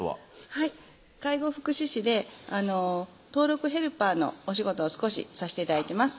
はい介護福祉士で登録ヘルパーのお仕事を少しさして頂いてます